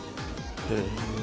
へえ。